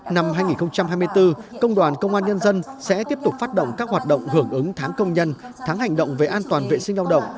năm hai nghìn hai mươi bốn công đoàn công an nhân dân sẽ tiếp tục phát động các hoạt động hưởng ứng tháng công nhân tháng hành động về an toàn vệ sinh lao động